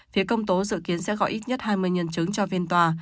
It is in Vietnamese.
phía công tố dự kiến sẽ gọi ít nhất hai mươi nhân chứng cho phiên tòa